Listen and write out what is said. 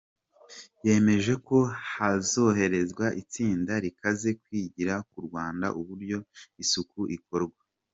Yemeje ko hazoherezwa itsinda rikaza kwigira ku Rwanda uburyo isuku ikorwa.